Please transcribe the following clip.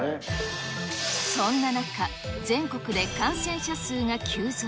そんな中、全国で感染者数が急増。